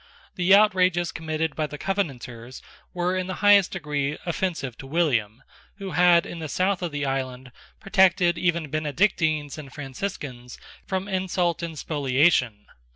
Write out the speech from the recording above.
The outrages committed by the Covenanters were in the highest degree offensive to William, who had, in the south of the island, protected even Benedictines and Franciscans from insult and spoliation.